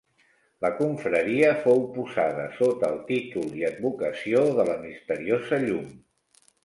La confraria fou posada sota el títol i advocació de la Misteriosa Llum.